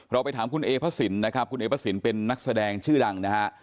ไปถามคุณเอพระสินนะครับคุณเอพระสินเป็นนักแสดงชื่อดังนะฮะ